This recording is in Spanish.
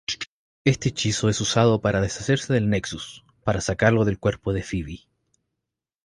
Este hechizo es usado para deshacerse del Nexus, para sacarlo del cuerpo de Phoebe.